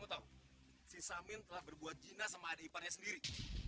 kamu tahu si samir telah bergina dengan iparnya sendiri